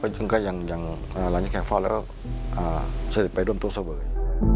ซึ่งก็ยังหลังจากแข่งฟอดแล้วก็เสด็จไปร่วมโต๊ะเสวย